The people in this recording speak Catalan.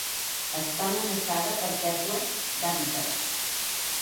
Està amenaçada per pèrdua d'hàbitat.